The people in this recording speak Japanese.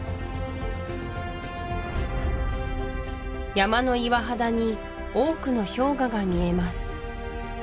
山の岩肌に多くの氷河が見えます